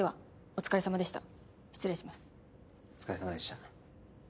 お疲れさまでした。